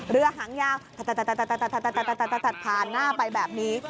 เรือหางยาวผ่านหน้าไปแบบนี้